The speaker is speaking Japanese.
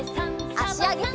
あしあげて。